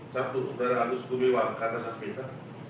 satu saudara agus kumiwang kata saswita